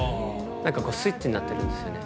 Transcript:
スイッチになってるんですよね。